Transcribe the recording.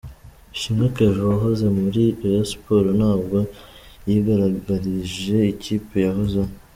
Ishimwe Kevin wahoze muri Rayon Sports ntabwo yigaragarije ikipe yahozemo.